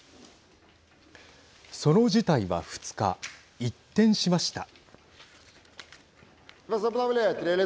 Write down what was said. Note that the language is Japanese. その事態は２日、一転しました。